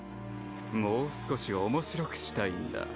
もう少し面白くしたいんだ